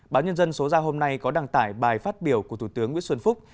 báo nhân dân số ra hôm nay có đăng tải bài phát biểu của thủ tướng nguyễn xuân phúc